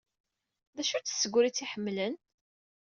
D acu-tt tsegrit ay ḥemmlen?